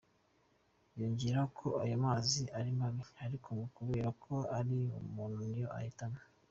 Yongeyeho ko ayo mazi ari mabi ariko ngo kubera ko ari ubuntu niyo ahitamo.